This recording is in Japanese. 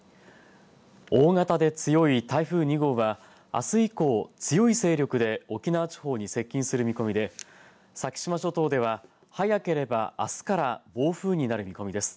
大型で強い台風２号はあす以降強い勢力で沖縄地方に接近する見込みで先島諸島では早ければあすから暴風になる見込みです。